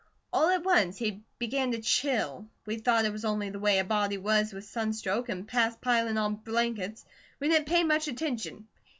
All at once he began to chill. "We thought it was only the way a body was with sunstroke, and past pilin' on blankets, we didn't pay much attention.